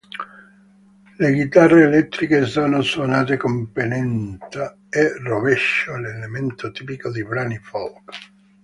Le chitarre elettriche sono suonate con pennata a rovescio, elemento tipico di brani folk.